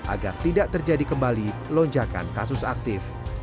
agar tidak terjadi kembali lonjakan kasus aktif